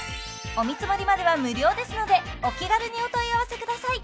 お見積もりまでは無料ですのでお気軽にお問い合わせください